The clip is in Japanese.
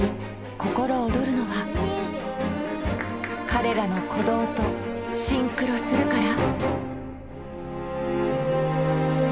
心躍るのは彼らの鼓動とシンクロするから？